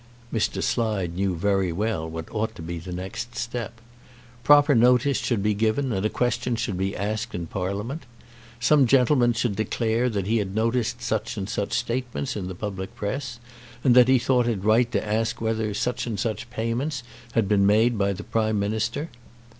Mr. Slide knew very well what ought to be the next step. Proper notice should be given and a question should be asked in Parliament. Some gentleman should declare that he had noticed such and such statements in the public press, and that he thought it right to ask whether such and such payments had been made by the Prime Minister.